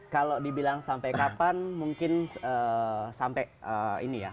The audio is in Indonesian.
kalau dibilang sampai kapan mungkin sampai ini ya